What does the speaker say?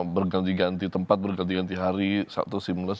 berganti ganti tempat berganti ganti hari satu simulus